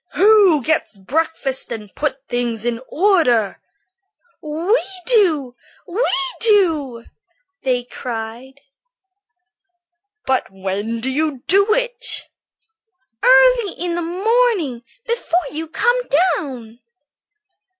"Who gets breakfast and puts things in order?" "We do! we do!" they shouted. "But when do you do it?" "Early in the morning before you come down."